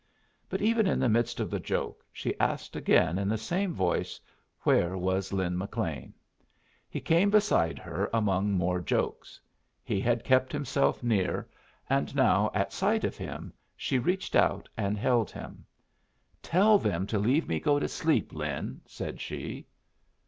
But even in the midst of the joke she asked again in the same voice where was Lin McLean. He came beside her among more jokes. He had kept himself near, and now at sight of him she reached out and held him. "Tell them to leave me go to sleep, Lin," said she.